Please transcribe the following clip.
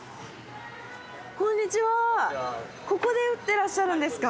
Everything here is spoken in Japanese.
ここで打ってらっしゃるんですか。